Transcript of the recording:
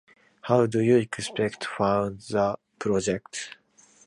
How do you expect to fund this project?